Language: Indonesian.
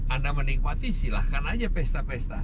anda menikmati silahkan aja pesta pesta